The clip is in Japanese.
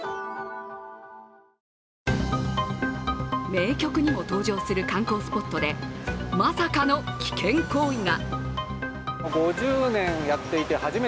名曲にも登場する観光スポットで、まさかの危険行為が。